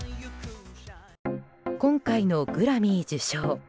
今回のグラミー受賞。